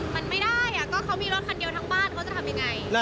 มันไม่ได้ก็เขามีรถคันเดียวทั้งบ้านเขาจะทำยังไง